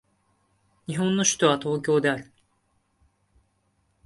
日本の首都は東京である